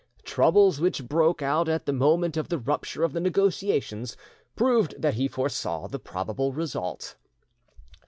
Troubles which broke, out at the moment of the rupture of the negotiations proved that he foresaw the probable result.